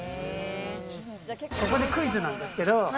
ここでクイズなんですけど。